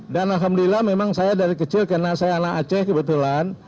dan alhamdulillah memang saya dari kecil karena saya anak aceh kebetulan